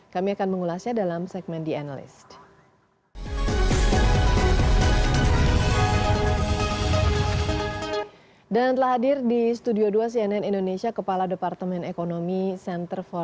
kami akan mengulasnya dalam segmen the analyst